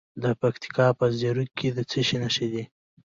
د پکتیکا په زیروک کې د څه شي نښې دي؟